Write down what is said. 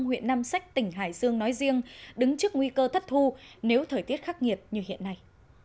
huyện nam sách tỉnh hải dương nói riêng đứng trước nguy cơ thất thu nếu thời tiết khắc nghiệt như hiện nay